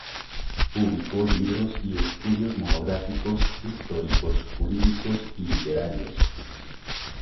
Publicó libros y estudios monográficos, históricos, jurídicos y literarios.